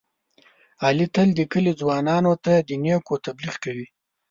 علي تل د کلي ځوانانو ته د نېکو تبلیغ کوي.